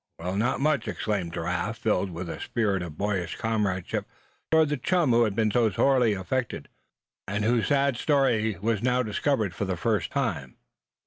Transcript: "Well, not much!" exclaimed Giraffe, filled with a spirit of boyish comradeship toward the chum who had been so sorely afflicted, and whose sad story was now discovered for the first time.